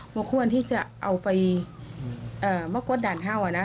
ไม่ควรที่จะเอาไปมากดดันเข้านะ